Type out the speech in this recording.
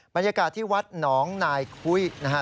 บรรยากาศที่วัดหนองนายคุ้ยนะฮะ